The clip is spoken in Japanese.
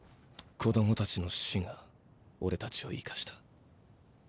子供たちの死がオレたちを生かした。